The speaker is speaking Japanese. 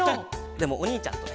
でもおにいちゃんとね。